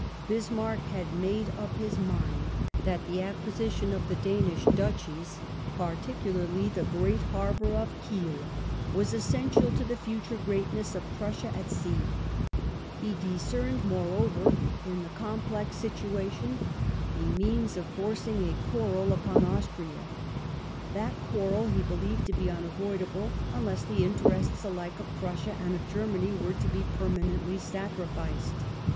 Bismarck had made up his mind that the acquisition of the Danish Duchies — particularly the great harbour of Kiel — was essential to the future greatness of Prussia at sea. He discerned, moreover, in the complex situation a means of forcing a quarrel upon Austria, That quarrel he believed to be unavoidable, un less the interests alike of Prussia and of Germany were to be per manently sacrificed.